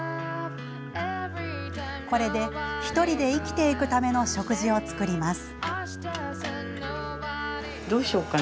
これで、１人で生きていくための食事を作ります。